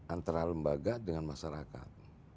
antara lembaga dengan masyarakat